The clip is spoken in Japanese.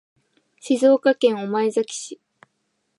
静岡県御前崎市